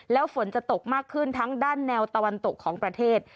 แล้วฝนจะตกมากขึ้นทั้งด้านแนวตะวันตกของประเทศ